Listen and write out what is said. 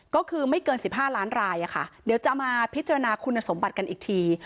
ก็คือไม่เกิน๑๕ล้านรายเดี๋ยวจะมาพิจารณาคุณสมบัติกันอีกที